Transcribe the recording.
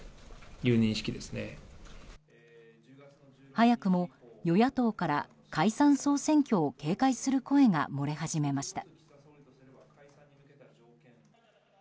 早くも与野党から解散・総選挙を警戒する声が漏れ始めました。